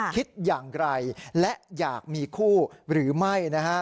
คิดอย่างไรและอยากมีคู่หรือไม่นะฮะ